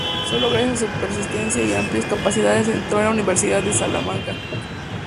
Solo gracias a su persistencia y amplias capacidades entró en la Universidad de Salamanca.